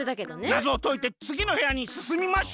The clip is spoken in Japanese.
なぞをといてつぎのへやにすすみましょう！